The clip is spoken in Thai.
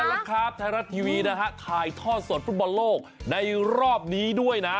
แล้วครับไทยรัฐทีวีนะฮะถ่ายทอดสดฟุตบอลโลกในรอบนี้ด้วยนะ